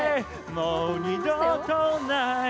もう二度とない。